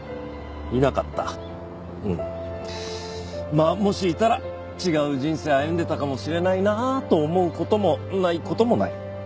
まあもしいたら違う人生歩んでたかもしれないなと思う事もない事もない。